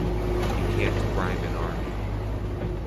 You can't bribe an army.